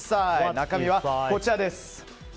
中身は、こちらです。